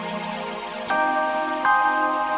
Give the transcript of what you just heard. terima kasih pak ya